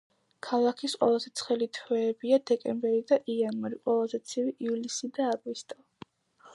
ქალაქის ყველაზე ცხელი თვეებია დეკემბერი და იანვარი, ყველაზე ცივი ივლისი და აგვისტო.